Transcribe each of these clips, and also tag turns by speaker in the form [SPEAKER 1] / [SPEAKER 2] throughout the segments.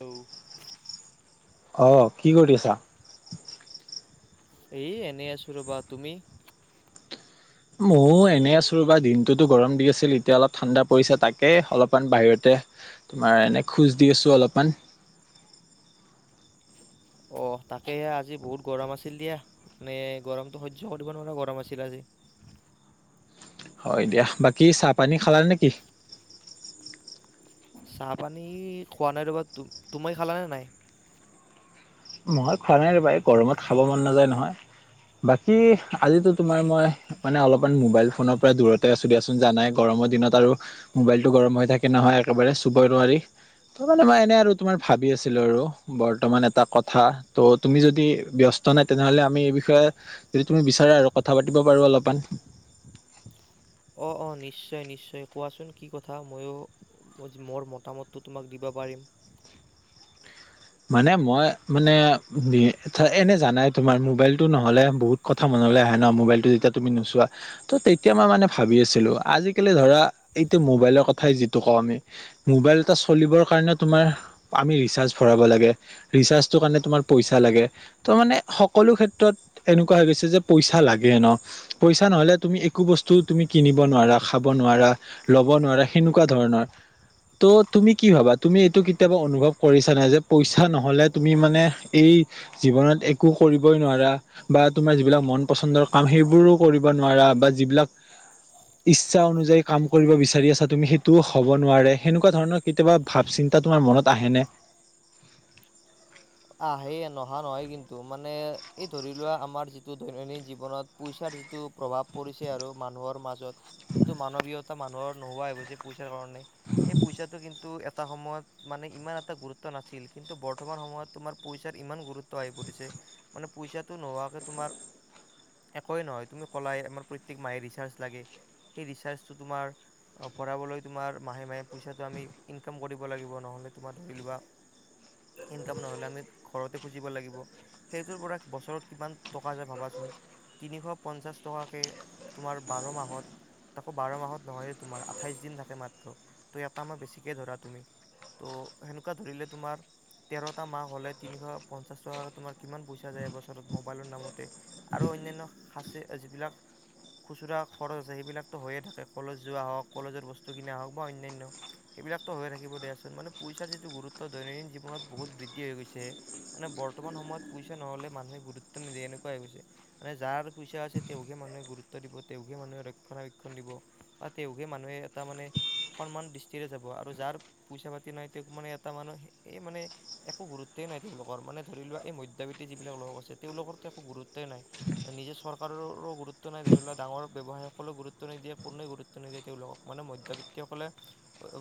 [SPEAKER 1] ন
[SPEAKER 2] আহ কি কৰি আছা?
[SPEAKER 1] এ এনেই আছো ৰবা তুমি
[SPEAKER 2] ময়ো এনেই আছো ৰবা দিনটোতো গৰম দি আছিল এতিয়া অলপ ঠাণ্ডা পৰিছে তাকে অলপমান বাহিৰতে তোমাৰ এনে খোজ দি আছো অলপমান
[SPEAKER 1] অ তাকে আজি বহুত গৰম আছিল দিয়া মানে গৰমতো সহ্য কৰিব নোৱাৰা গৰম আছিল আজি।
[SPEAKER 2] [inaudible] হয় দিয়া বাকী চাহপানী খালা নেকি?
[SPEAKER 1] চাহ পানী খোৱা নাই ৰ'বা তুমই খালানে নাই?
[SPEAKER 2] নহয় খোৱা নাই ৰিবা এই গৰমত খাব মন নাযায় নহয়। বাকী আজিতো তোমাৰ মই মানে অলপমান মোবাইল ফোনৰ পৰা দূৰতে আছো দিয়াচোন জান নাই গৰম গৰমৰ দিনত আৰু মোবাইলতটো গৰম হৈ থাকে নহয় একেবাৰে চুবই নোৱাৰি। ত মানে মই এনে আৰু তোমাৰ ভাবি আছিলো আৰু বৰ্তমান এটা কথা। কথা ত' তুমি যদি ব্যস্ত নাই তেনেহলে আমি এই বিষয়ে যদি তুমি বিচাৰা আৰু কথা পাতিব পাৰো। অলপমান।
[SPEAKER 1] অ অ নিশ্চয় নিশ্চয় কোৱাচোন কি কথা মইয়ো। মোৰ মতামতটো তোমাক দিব পাৰিম।
[SPEAKER 2] ত মানে মই মানে এনে জানাই তোমাৰ মোবাইলতটো নহলে বহুত কথা মন আহে ন মোবাইলটো যেতিয়া তুমি নোচোৱা, ত তেতিয়া মই মানে ভাবি আছিলো আজিকালি ধৰা এইটো মোবাইলৰ কথাই যিটো কওঁ আমি, মবাইল এটা চলিবৰ কাৰণে তোমাৰ, আমি ৰিচাৰ্জ কাৰমাৰ পইচা ল ত মানে সকলো ক্ষেত্ৰত এনেকোঁৱা হৈ যে পইচা লাগে ন পইচা নহলে তুমি একো বস্তু তুমি কিনিব নোৱাৰা খাব নোৱাৰা। লব নোৱাৰা সেনেকুৱা ধৰণৰ ত' তুমি কি ভাবা তুমি এইটো কেতিয়াবা অনুভৱ কৰিছা। পইচা নহলে তুমি মানে এই জীৱনত একো কৰিবই নোৱাৰা বা তি ক মন পন্দৰ কাম সেইবোৰো কৰিব নোৱাৰা বা যিবিলাক ইচ্ছা অনুযায়ী কাম কৰিব বিচাৰি আছা তুমি সেইটো হ'ব নোৱাৰে সেনেকুৱা ধৰণৰ কেতিয়াবা ভাব চিন্ত। চিন্তা তোমাৰ মনত আহে নে?
[SPEAKER 1] আহে নহা নহয় কিন্তু মানে এই ধৰি লোৱা আমাৰ যিটো দৈনন্দিন জীৱনত পইচা। যিটো প্ৰভাৱ পৰিছে আৰু মানুহৰ মাজত যিটো মানৱীয়তা মানুহৰ নোহোৱাই হৈছে পইচা সেই পইচাটো কিন্তু এটা সময়ত মানে ইমান এটা গুৰুত্ব নাছিল কিন্তু বৰ্তমান সময়ত তোমাৰ পইচাৰ ইমান গুৰুত্ব আহি পৰিছে মানে পইচাটো নোহোৱাকে তোমাৰ একোৱেইে নহয় তুমি কলাই আমাৰ প্ৰত্যেক মাহে ৰিচাৰ্জ লাগে সেই ৰিচাৰ্জটো তোমাৰ অ ভৰাবলৈ তোমাৰ মাহে মাহে পইচাটো আমি ইনকাম কৰিব লাগিব নহলে তোমাৰ ধৰি লোৱা [unintelligible] [inaudible] কিতাপ নহলে আমি ঘৰতে খুজিব লাগিব সেইটোৰ পৰা বছৰত কিমান টকা যায় ভাবাচোন তিনিশ পঞ্চাশ টকাকে তোমাৰ বাৰ মাহত আকৌ বাৰ মাহত নহয়ে তোমাৰ আঠাইশ দিন থাকে মাত্ৰ ত এটা মাহ বেছিকে ধৰা তুমি ত' হেনকা ধৰিলে তোমাৰ তেৰটা মাহ হলে তিনিশ পঞ্চাশ তোমাৰ কিমান পইচা যায় এবছৰত মোবাইলৰ নামতে আৰু অন্য সাঁচি যিবিলাক খুচুৰা খৰচ আছে সেইবিলাকতো হৈয়ে থাকে কলেজ যোৱা হওঁক কলেজৰ বস্তু কিনা হওক বা অন্যান্য সেইবিলাকটো হৈ থাকিব দিয়াচোন মানে পইচাৰ যিটো গুৰুত্ব দৈনন্দিন জীৱনত বহুত বৃদ্ধি হৈ গৈছে মানে বৰ্তমান সময়ত পইচা নহলে মানুহে গুৰুত্ব নিদিয়ে এনেকুৱা হৈ গৈছে মানে যাৰ পইচা আছে তেওঁকহে মানুহে গুৰুত্ব দিব তেকহে মানুহে ৰক্ষণাবেক্ষন দিব বা তেওঁহে মানুহে এটা মানে সন্মান দৃষ্টিৰে যাব আৰু যাৰ পইচা পাতি নাই তেওঁক মানে এটা মানুহ এই মানে একো গুৰুত্বই নাই তেওঁলোকৰ মানে ধৰি লোৱা এই মধ্যবিত্ত যিবিলাক লোক আছে তেওঁলোকৰ টো একো গুৰুত্বই নাই [unintelligible] নিজে চৰকাৰৰো গুৰুত্ব নাই ধৰি লোৱা ডাঙৰ্ ব্যৱসায় সকলকো গুৰুত্ব নিদিয়ে কোনেও গুৰুত্ব নিদিয়ে তেওঁলোকক মানে [unintelligible] মানে মধ্যবিত্ত সকলে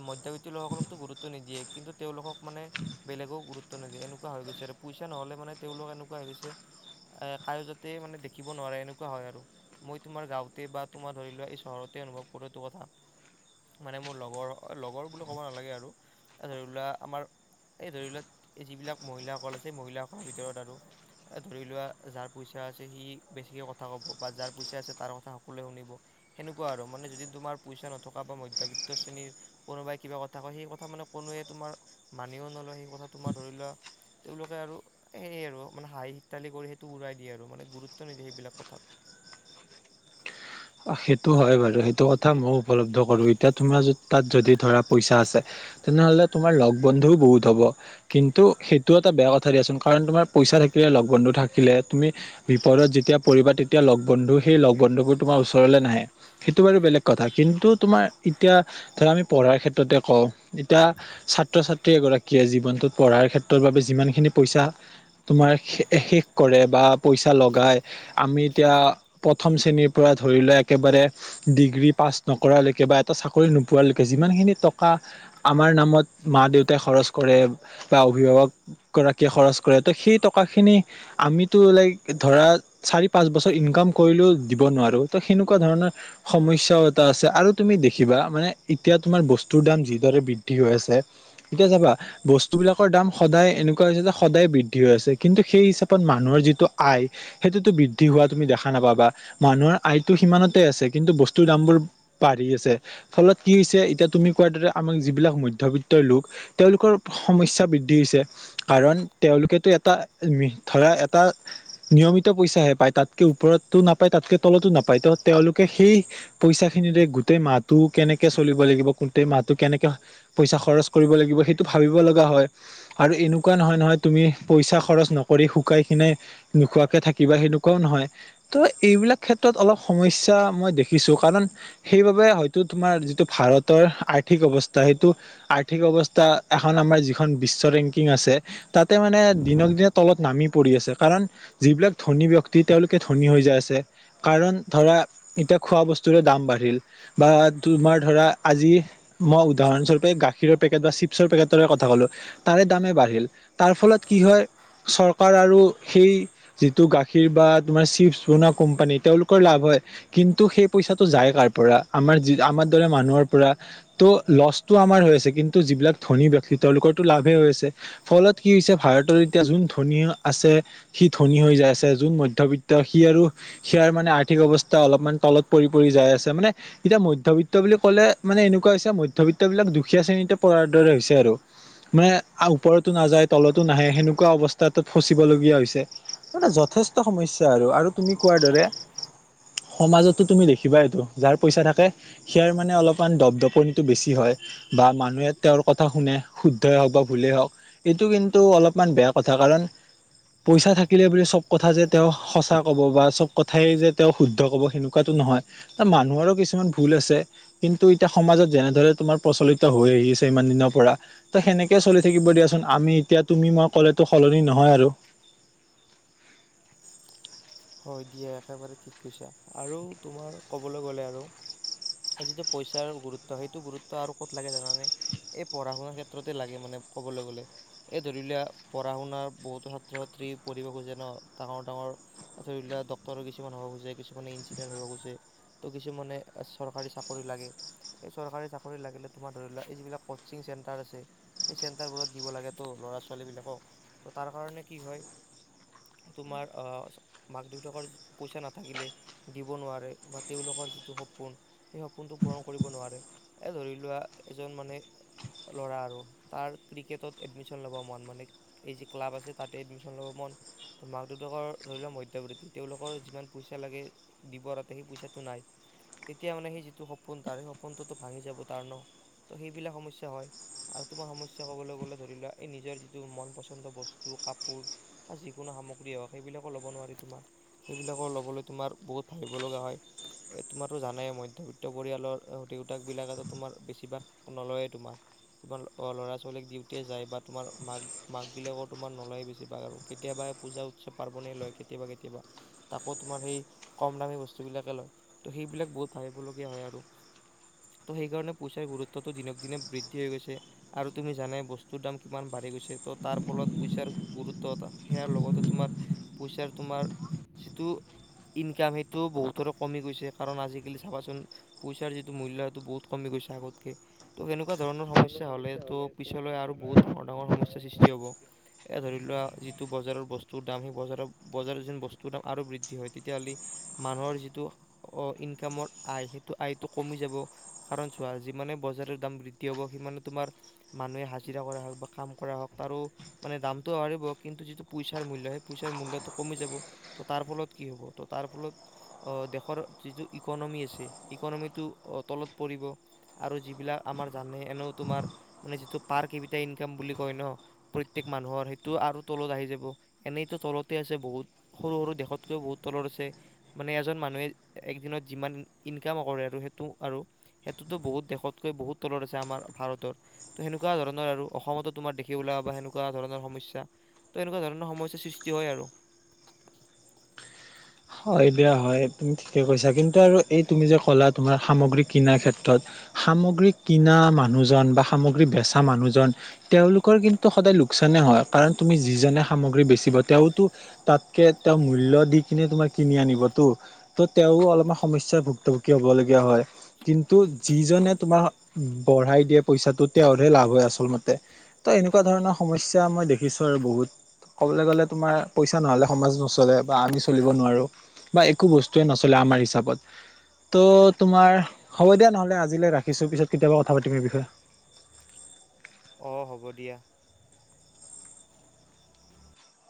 [SPEAKER 1] মধ্যবিত্ত লোকসকলকটো গুৰুত্ব নিদিয়ে কিন্তু তেওঁলোকক মানে বেলেগও গুৰুত্ব নিদিয়ে এনেকুৱা হৈ গৈছে আৰু পইচা নহলে মানে তেওঁলোক এনেকুৱা হৈ গৈছে এ কায়ো যাতে মানে দেখিব নোৱাৰে এনেকুৱা হয় আৰু মই তোমাৰ গাঁওতে বা তোমাৰ ধৰি লোৱা এই চহৰতে অনুভৱ কৰোটো এইটোকথা মানে মোৰ লগৰ লগৰ বুলি ক'ব নালাগে আৰু ধৰি লোৱা আমাৰ এই ধৰি লোৱা এই যিবিলাক মহিলাসকল আছে মহিলাসকলৰ ভিতৰত আৰু ধৰি লোৱা যাৰ পইচা আছে সি বেছিকে কথা কব বা যাৰ পইচা আছে তাৰ কথা সকলোৱে শুনিব হেনেকুৱা আৰু মানে যদি তোমাৰ পইচা নথকা বা মধ্যবিত্ত শ্ৰেণীৰ কোনোবাই কিবা কথা কয় সেই কথা মানে কোনোৱে তোমাৰ মানিও নলয় সেই কথা তোমাৰ ধৰি লোৱা তেওঁলোকে আৰু সেয়ে আৰু মানে হাঁহি হীতালি কৰি সেইটো উৰাই দিয়ে আৰু মানে গুৰুত্ব নিদিয়ে সেইবিলাক কথাত
[SPEAKER 2] [unintelligible] [inaudible] সেইটো হয় বাৰু সেইটো কথা মইও উপলব্ধ কৰো এতিয়া তোমাৰ তাত যদি ধৰা পইচা আছে তেনেহলে তোমাৰ লগ বন্ধুও বহুত হব কিন্তু সেইটোও এটা বেয়া কথা দিয়াচোন কাৰণ তোমাৰ পইচা থাকিলে লগ বন্ধু থাকিলে তুমি বিপদত যেতিয়া পৰিবা তেতিয়া লগ বন্ধু সেই লগ বন্ধু বোৰ তোমাৰ ওচৰলে নাহে সেইটো বাৰু বেলেগ কথা কিন্তু তোমাৰ এতিয়া ধৰা আমি পঢ়াৰ ক্ষেত্ৰতে কওঁ এতিয়া ছাত্ৰ ছাত্ৰী এগৰাকীয়ে জীৱনটোত পঢ়াৰ ক্ষেত্ৰৰ বাবে যিমানখিনি পইচা তোমাৰ শেষ কৰে বা পইচা লগাই আমি এতিয়া প্ৰথম শ্ৰেণীৰ পৰা ধৰি লোৱা একেবাৰে ডিগ্ৰী পাছ নকৰা লৈকে বা এটা চাকৰি নোপোৱালৈকে যিমানখিনি টকা আমাৰ নামত মা দেউতাই খৰচ কৰে বা অভিভাৱক গৰাকীয়ে খৰচ কৰে ত সেই টকাখিনি আমি টো লাগি ধৰা চাৰি পাঁচ বছৰ ইনকাম কৰিলেও যিমান সেনেকুৱা ধৰণৰ সমস্যাও এটা আছে আৰু তুমি দেখিবা মানে এতিয়া তোমাৰ বস্তু যি বৃদ্ধি হৈ আছে এতিয়া চাবা বস্তু বিলাকৰ দাম সদায় এনেকুৱা হৈ আছে যে সদায় বৃদ্ধি হৈ আছে কিন্তু সেই হিচাপত মানুহৰ যিটো আয় সেইটোতো বৃদ্ধি হোৱা তুমি দেখা নাপাবা মানুহৰ আয়টো সিমানতে আছে কিন্তু বস্তুৰ দামবোৰ বাঢ়ি আছে ফলত কি হৈছে এতিয়া তুমি আমাক যিবিলাক মধ্যবিত্তৰ লোক তেওঁলোকৰ সমস্যা বৃদ্ধি হৈছে কাৰণ এটা ধৰা এটা নিয়মিত পইচাহে পায় তাতকে ওপৰত টো নাপা তাতকে তলতো নাপায় ত তেওঁলোকে সেই পইচা খিনিৰে গোটেই মাহটো কেনেকে চলিব লাগিব গোটেই মাহটো কেনেকে পইচা খৰচ কৰিব লাগিব সেইটো ভাবিব লগা হয় আৰু এনেকুৱা নহয় নহয় তুমি পইচা খৰচ নকৰি শুকাই ক্ষীনাই নোখোৱাকে থাকিবা সেনেকুৱাও নহয় ত এইবিলাক ক্ষেত্ৰত অলপ সমস্যা মই দেখিছো কাৰণ সেইবাবে হয়তো তোমাৰ যিটো ভাৰতৰ ঘৰআৰ্থিক অৱস্থা সেইটো আৰ্থিক অৱস্থা এখন আমাৰ যিখন বিশ্ব বিশ্বত ৰেংকিং আছে তাতে মানে দিনক দিনে তলত নামি পৰি আছে কাৰণ যিবিলাক ধনী ব্যক্তি তেওঁলোকে ধনী হৈ যায় আছে তাতে কাৰণ ধৰা এতিয়া খোৱা বস্তুৰে দাম বাঢ়িল বা তোমাৰ ধৰা আজি। আজি মই উদাহৰণ স্বৰূপে গাখীৰৰ পেকেট বা চিপছৰ পেকেটৰে কথা ক'লো তাৰে দামেই বাঢ়িল তাত। তাৰ ফলত কি হয় চৰকাৰ আৰু সেই যিটো গাখীৰ বা তোমাৰ চিপছ বনোৱা কোম্পানী তেওঁলোকৰ লাভ হয় কিন্তু সেই পইচাটো যায় কাৰ পৰা আমাৰ যি আমাৰ দৰে মানুহৰ পৰা। তো' লচতো আমাৰ হৈ আছে কিন্তু যিবিলাক ধনী ব্যক্তি তেওঁলোকৰো লাভে হৈ আছে ফলত কি পিছে ভাৰতৰ এতিয়া যোন ধনী আছে সি ধনী হৈ যায় আছে যোন মধ্যবিত্ত সি আৰু সেয়াৰ মানে আৰ্থিক অৱস্থা অলপমান তলত পৰি পৰি যাই আছে মানে এতিয়া মধ্যবিত্ত বুলি ক'লে মানে মানে এনেকুৱা হৈছে মধ্যবিত্ত বিলাক দুখীয়া শ্ৰেণীতে পৰাৰ দৰে হৈছে আৰু মানে আ ওপৰত নাযায় তলতো নাহে সেনে এনেকুৱা অৱস্থাত ফচিবলগীয়া হৈছে মানে যথেষ্ট সমস্যা আৰু আৰু তুমি কোৱাৰ দৰে সমাজতো তুমি দেখিবা এইটো যাৰ পইচা থাকে সেয়াৰ মানে অলপমান দপদপনিটো বেছি হয়। আহে বা মানুহে তেওঁৰ কথা শুনে শুদ্ধই হওকঁ বা ভুলেই হওকঁ এইটো কিন্তু অলপমান বেয়া কথা কাৰণ পইচা থাকিলে বুলি চব কথা যে তেওঁ সঁচা কব বা চব কথাই যে তেওঁ শুদ্ধ কব সেনেকুৱাতো নহয় ত মানুহৰো কিছুমান ভুল আছে। কিন্তু এতিয়া সমাজত যেনে ধৰে তোমাৰ প্ৰচলিত হৈ আহিছে ইমান দিনৰ পৰা ত সেনেকে চলি থাকিব দিয়াচোন। আমি এতিয়া তুমি মই ক'লেতো সলনি নহয় আৰু
[SPEAKER 1] হয় দিয়া একেবাৰে ঠিক কৈছা আৰু তোমাৰ ক'বলৈ গ'লে আৰু এই যিটো পইচাৰ গুৰুত্ব সেইটো গুৰুত্ব আৰু ক'ত লাগে জানানে। এই পঢ়া শুনাৰ ক্ষেত্ৰতে লাগে মানে ক'বলৈ গ'লে এই ধৰি লোৱা পঢ়া শুনাৰ বহুতো ক্ষেত্ৰত পৰিৱেশ যে ন ডাঙৰ ডাঙৰ ধৰি লোৱা ডক্তৰ কিছুমান হব খোজে কিছুমানে ইঞ্জিনিয়াৰ হব খোজে ত' কিছুমানে চৰকাৰী চাকৰি লাগ লাগে এই চৰকাৰী চাকৰি লাগিলে তোমাৰ ধৰি লোৱা এই যিবিলাক কচিং চেণ্টাৰ আছে সেই চেণ্টাৰবোৰত দিব লাগে তো ল'ৰা ছোৱালীবিলাক তো তাৰ কাৰণে কি হয় তোমাৰ মাক দেউতাকৰ পইচা নাথাকিলে দিব নোৱাৰে বা তেওঁলোকৰ যিটো সপোন সেই সপোন পূৰণ কৰিব নোৱাৰে এ ধৰি লোৱা এজন মানে ল'ৰা আৰু তাৰ ক্ৰিকেটত এডমিশ্যন ল'ব মন মানে এই ক্লাব আছে তাতে এডমিচন ল'ব মন তোৰ মাক দেউতাকৰ ধৰি লোৱা মই তেওঁলোকৰ যিমান পইচা লাগে দিবতে সেই পইচাটো নাই তেতিয়া মানে সেই যিটো সপোন তাৰ সেই সপোনটোতো ভাঙি যাব তাৰ ন তো' সেইবিলাক সমস্যা হয় আৰু তোমাৰ সমস্যা কবলৈ গ'লে ধৰি লোৱা এই নিজৰ যিটো মন পছন্দ বস্তু কাপোৰ বা যিকোনো সামগ্ৰী হওঁক সেইবিলাকো ল'ব নোৱাৰি সেইবিলাকৰ ল'বলৈ তোমাৰ বহুত ভাবিব লগা হয়। তোমাৰো জানাই মধ্যবিত্ত পৰিয়ালৰ দেউতাক তাক বিলাক তোমাৰ বেছিভাগ নলয়েই তোমাৰ তোমাৰ অহ ল'ৰা ছোৱালীক দিওঁতে যায় বা তোমাৰ মাক মাক বিলাকৰ তোমাৰ নলয় বেছি ভাগ আৰু কেতিয়াবা পূজা উৎসৱ পাৰ্বন লয় কেতিয়াবা কেতিয়াবা তাকো তোমাৰ সেই কম দামী বস্তুবিলাকে লয় ত' সেইবিলাক বহুত ভাবিলগীয়া হয় আৰু আৰু ত' সেইকাৰণে পইচাৰ গুৰুত্বটো দিনক দিনে বৃদ্ধি হৈ গৈছে আৰু তুমি জানে বস্তুৰ দাম কিমান বাঢ়ি। বাঢ়ি গৈছে তাৰ ফলত পইচাৰ গুৰুত্ব সেয়াৰ লগতে তোমাৰ পইচাৰ তোমাৰ যিটো ইনকাম সেইটোও বহুতৰে কমি গৈছে কাৰণ আজিকালি চাবাচোন পইচাৰ যিটো মূল্য সেইটো বহুত কমি গৈছে। পইচা আগত কে তো সেনেকুৱা ধৰনৰ সমস্যা হলে পিছলৈ আৰু বহুত ডাঙৰ ডাঙৰ সমস্যাৰ সৃষ্টি হব। এ ধৰি লোৱা যিটো বজাৰৰ বস্তুৰ দাম সেই বজাৰৰ বজাৰত যেন বস্তুৰ দাম আৰু বৃদ্ধি হয় তেতিয়াহ'লে মানুহৰ যিটো ইনকামৰ আয় টো আয়টো কমি যাব। কাৰণ চোৱা, যিমানে বজাৰৰ দাম বৃদ্ধি হব, সিমানে তোমাৰ মানুহে হাজিৰা কৰা হওঁক বা কাম কৰা হওঁক, তাৰো মানে দামটো বাঢ়িব। কিন্তু যিটো পইচাৰ মূল্য, সেই পইচা মূল্য কমি যাব। তো তাৰ ফলত কি হ'ব? তো তাৰ ফলত অ'- দেশৰ যিটো ইক'নমি আছে ইক'নমিটো অ'- তলত পৰিব। আৰু যিবিলাক আমাৰ জানে, এনেও তোমাৰ মানে যিটো পাৰ কেপিতা ইনকাম বুলি কয় ন', প্ৰত্যেক মানুহৰ সেইটো আৰু তলত আহি যাব। এনেইতো তলত তে আছে বহুত। সৰু - সৰু দেশতকৈও বহুত তলৰ আছে। মানে এজন মানুহে একদিনত যিমান ইনকামো কৰে আৰু সেইটো। আৰু সেইটোতো বহুত দেশতকৈ বহুত তলত আছে আমাৰ ভাৰতৰ। তো সেনেকুৱা ধৰণৰ আৰু। অসমতো তোমাৰ দেখি ওলাবা সেনেকুৱা ধৰণৰ সমস্যা। তো এনেকুৱা ধৰণৰ সমস্যাৰ সৃষ্টি হয় আৰু।
[SPEAKER 2] হয়, বেয়া হয়। তুমি ঠিকে কৈছা। কিন্তু আৰু এই তুমি যে ক'লা তোমাৰ সামগ্ৰী কিনাৰ ক্ষেত্ৰত সামগ্ৰী কিনা মানুহজন বা সামগ্ৰী বেচা মানুহজন তেওঁলোকৰ কিন্তু সদায় লোকচ চানে হয়। কাৰণ তুমি যিজনে সামগ্ৰী বেচিব, তেওঁতো তাতকে তেওঁ মূল্য দি কিনে তোমাক কিনি আনিবটো। তো তেঁও অলপমান সমস্যাৰ ভুক্তভোগী হবলগীয়া হয়। কিন্তু যিজ যোনজনে তোমাৰ বঢ়াই দিয়ে পইচাটো তেওঁৰহে লাভ হয় আচল মতে ত এনেকুৱা ধৰণৰ সমস্যা এতিয়া মই দেখিছোঁ আৰু বহুত, ক'বলৈ গ'লে তোমাৰ পইচা নহ'লে সমাজ নচলে বা আমি চলিব নোৱাৰোঁ। বা একো বস্তুৱে নচলে আমাৰ হিচাপত। তো তোমাৰ, হ'ব দিয়া নহলে। আজিলৈ ৰাখিছোঁ। পিছত কেতিয়াবা কথা পাতিম এই বিষয়ে। [inaudible]
[SPEAKER 1] অ' হ'ব দিয়া।